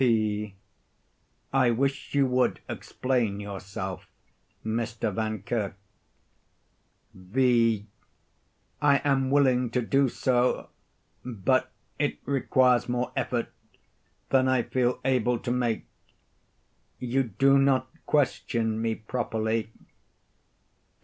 P. I wish you would explain yourself, Mr. Vankirk. V. I am willing to do so, but it requires more effort than I feel able to make. You do not question me properly.